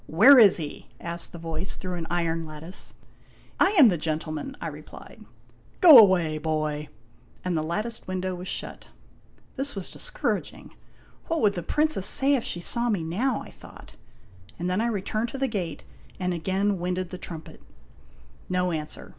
" Where is he ?" asked the voice, through an iron lattice. 120 IMAGINOTIONS " I am the gentleman," I replied. " Go away, boy!" said the voice, and the latticed window was shut. This was discouraging. "What would the Princess say if she saw me now?" I thought, and then I returned to the gate and again winded the trumpet. No answer.